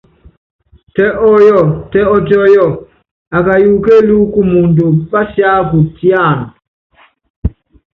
Tɛ ɔyɔ, tɛ ɔtiɔ́yɔ́ɔ, akayuku kélúkú kumuundɔ pásiákutíána.